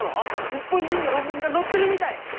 日本人の論文が載ってるみたい！